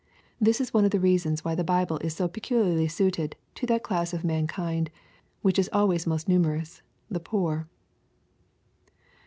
This is one of the reasons why the Bible is so peculiarly suited to that class of mankind which is al ways most numerous, — ^the poor.